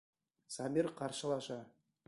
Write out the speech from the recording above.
Сабир ҡаршылаша.